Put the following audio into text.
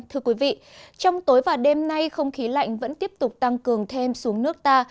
thưa quý vị trong tối và đêm nay không khí lạnh vẫn tiếp tục tăng cường thêm xuống nước ta